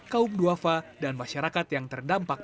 kaum duafa dan masyarakat yang terdampak